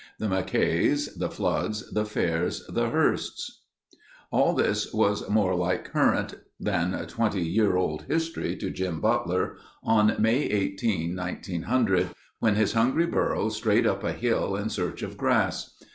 The Mackays, the Floods, the Fairs, the Hearsts. All this was more like current than twenty year old history to Jim Butler on May 18, 1900, when his hungry burro strayed up a hill in search of grass.